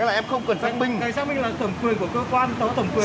cái này xác minh là thẩm quyền của cơ quan đó là thẩm quyền